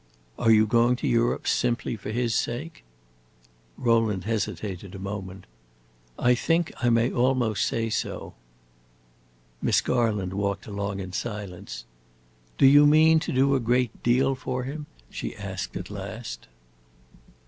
"Are you going to Europe simply for his sake?" Rowland hesitated a moment. "I think I may almost say so." Miss Garland walked along in silence. "Do you mean to do a great deal for him?" she asked at last.